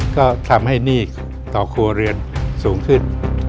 ก็ทำให้หนี้ต่อครัวเรือนสูงขึ้น